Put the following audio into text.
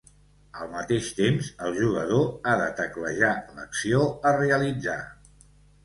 Al mateix temps, el jugador ha de teclejar l'acció a realitzar.